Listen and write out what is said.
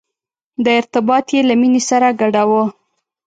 دا ارتباط یې له مینې سره ګډاوه.